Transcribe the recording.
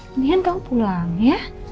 mendingan kamu pulang ya